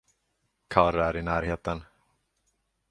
Karr är i närheten.